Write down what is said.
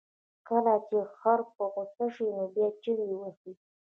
کله چې خر په غوسه شي، نو بیا چغې وهي.